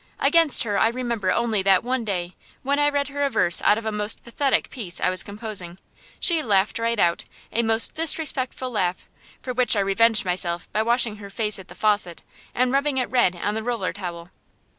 Against her I remember only that one day, when I read her a verse out of a most pathetic piece I was composing, she laughed right out, a most disrespectful laugh; for which I revenged myself by washing her face at the faucet, and rubbing it red on the roller towel.